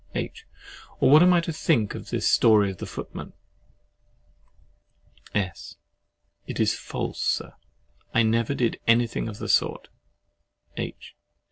H. Or what am I to think of this story of the footman? S. It is false, Sir, I never did anything of the sort. H.